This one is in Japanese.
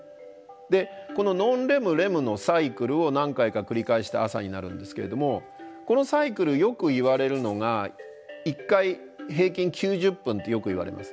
でこのノンレムレムのサイクルを何回か繰り返して朝になるんですけれどもこのサイクルよくいわれるのが１回平均９０分ってよくいわれます。